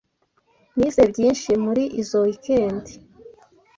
Nize byinshi muri izoi weekend.